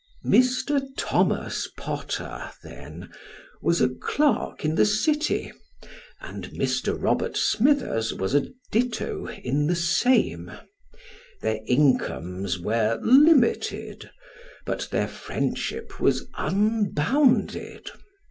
Mr. Thomas Potter, then, was a clerk in the City, and Mr. Eobert Smithers was a ditto in the same ; their incomes were limited, but their friendship was unbounded.